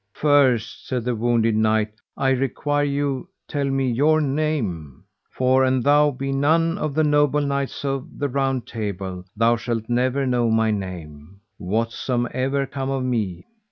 First, said the wounded knight, I require you tell me your name, for an thou be none of the noble knights of the Round Table thou shalt never know my name, whatsomever come of me.